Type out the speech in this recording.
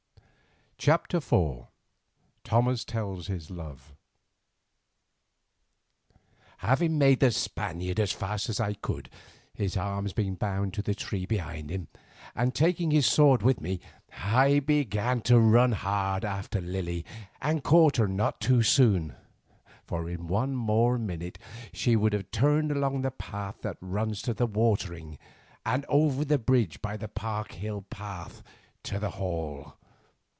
CHAPTER IV THOMAS TELLS HIS LOVE Having made the Spaniard as fast as I could, his arms being bound to the tree behind him, and taking his sword with me, I began to run hard after Lily and caught her not too soon, for in one more minute she would have turned along the road that runs to the watering and over the bridge by the Park Hill path to the Hall.